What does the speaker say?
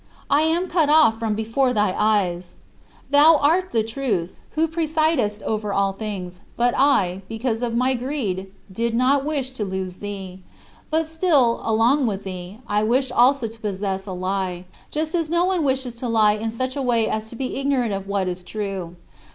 I am cut off from before thy eyes." Thou art the Truth, who presidest over all things, but I, because of my greed, did not wish to lose thee. But still, along with thee, I wished also to possess a lie just as no one wishes to lie in such a way as to be ignorant of what is true.